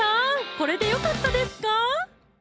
これでよかったですか？